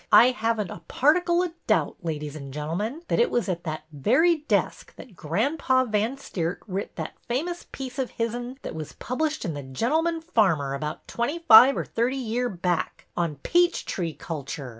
I have n't a particle o' doubt, ladies and gen'l'men, that it was at that very desk that Granpa Van Steert writ that famous piece of his'n that was published in The GenTman Farmer about twenty five or thirty year back, on peach tree culture.